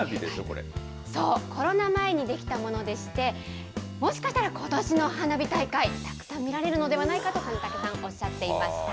そう、コロナ前に出来たものでして、もしかしたら、ことしの花火大会、たくさん見られるのではないかと、金武さん、おっしゃっていました。